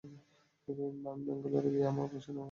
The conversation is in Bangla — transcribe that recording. আমি ব্যাঙ্গালোরে গিয়ে আমার দেশের ভবিষ্যত পরিবর্তন করতে চাই।